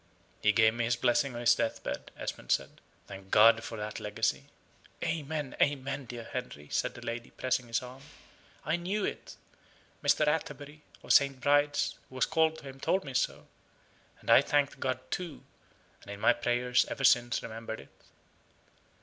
"He gave me his blessing on his death bed," Esmond said. "Thank God for that legacy!" "Amen, amen! dear Henry," said the lady, pressing his arm. "I knew it. Mr. Atterbury, of St. Bride's, who was called to him, told me so. And I thanked God, too, and in my prayers ever since remembered it."